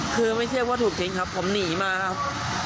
คือไม่เชื่อว่าถูกทิ้งครับผมหนีมาครับ